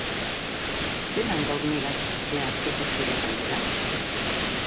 Zelan gaur nigaz tea hartzeko seiak aldera?